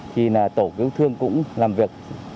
thì tổ cứu thương cũng làm việc